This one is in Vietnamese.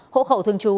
hộ khẩu thường trú